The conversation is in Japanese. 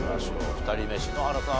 ２人目篠原さん